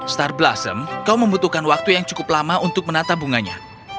star blossom kau membutuhkan waktu yang cukup lama untuk menata bunganya